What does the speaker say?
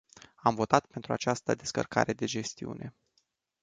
Am votat pentru această descărcare de gestiune.